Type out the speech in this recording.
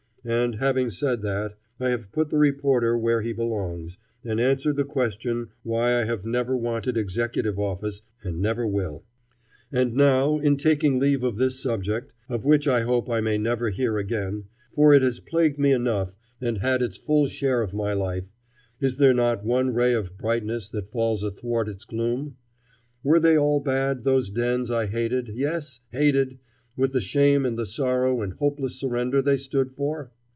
And, having said that, I have put the reporter where he belongs and answered the question why I have never wanted executive office and never will. [Illustration: The Yellow Newspapers' Contribution.] And now, in taking leave of this subject, of which I hope I may never hear again, for it has plagued me enough and had its full share of my life, is there not one ray of brightness that falls athwart its gloom? Were they all bad, those dens I hated, yes, hated, with the shame and the sorrow and hopeless surrender they stood for?